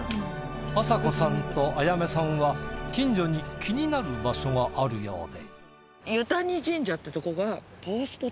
あさこさんと彩芽さんは近所に気になる場所があるようで。